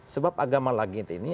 sebab agama lagi ini